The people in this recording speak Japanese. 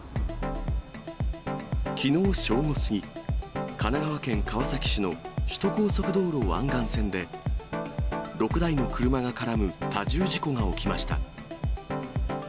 きのう正午過ぎ、神奈川県川崎市の首都高速道路湾岸線で、６台の車が絡む多重事故が起きました。